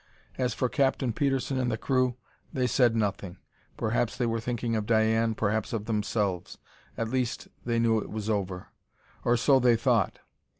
As for Captain Petersen and the crew, they said nothing. Perhaps they were thinking of Diane, perhaps of themselves. At least, they knew it was over. Or so they thought.